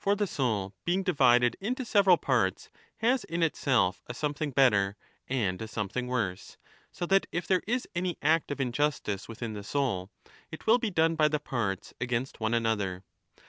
For the soul being divided into several parts has in itself a something better and a something worse, so that if there is any act of injustice within the soul, it will be done by the parts against one another.